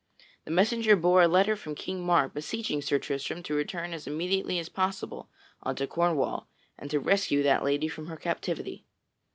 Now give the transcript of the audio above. The messenger bore a letter from King Mark beseeching Sir Tristram to return as immediately as possible unto Cornwall and to rescue that lady from her captivity.